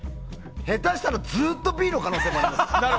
下手したらずっとＢの可能性もあります。